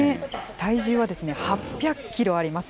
体重は８００キロあります。